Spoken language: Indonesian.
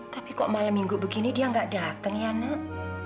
tapi kok malam minggu begini dia nggak datang ya nak